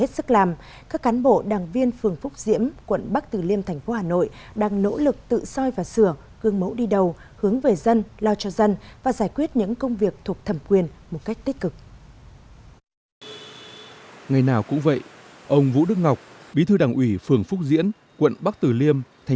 xin chào quý vị và các bạn